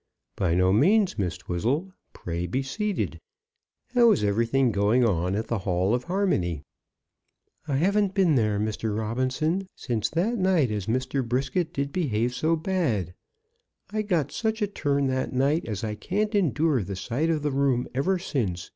"By no means, Miss Twizzle; pray be seated. How is everything going on at the Hall of Harmony?" "I haven't been there, Mr. Robinson, since that night as Mr. Brisket did behave so bad. I got such a turn that night, as I can't endure the sight of the room ever since.